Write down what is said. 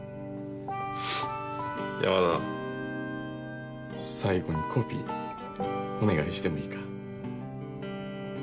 山田最後にコピーお願いしてもいいか？